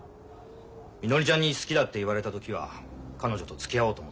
みのりちゃんに好きだって言われた時は彼女とつきあおうと思った。